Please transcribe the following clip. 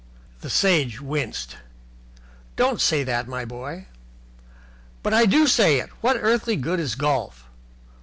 The Sage winced. "Don't say that, my boy." "But I do say it. What earthly good is golf?